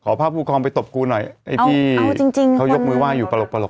ขอภาพผู้ครองไปตบกูหน่อยไอ้พี่เอาเอาจริงจริงเขายกมือว่าอยู่ประหลักประหลัก